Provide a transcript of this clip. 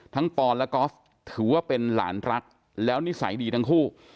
ปอนและกอล์ฟถือว่าเป็นหลานรักแล้วนิสัยดีทั้งคู่